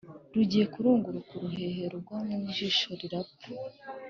rugiye kurunguruka uruhehe rugwa mu jisho rirapfa.